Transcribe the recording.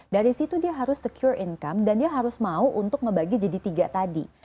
dari situ dia harus secure income dan dia harus mau untuk ngebagi jadi tiga tadi